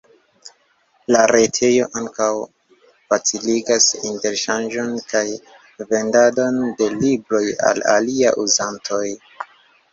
La retejo ankaŭ faciligas interŝanĝon kaj vendadon de libroj al aliaj uzantoj.